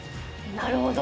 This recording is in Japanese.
なるほど！